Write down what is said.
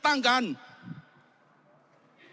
ท่านนายกคือทำร้ายระบอบประชาธิปไตยที่มีพระมหาคศัตริย์